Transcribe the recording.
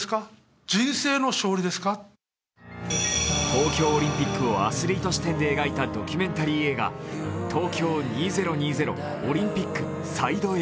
東京オリンピックをアスリート視点で描いたドキュメンタリー映画、「東京２０２０オリンピックＳＩＤＥ：Ａ」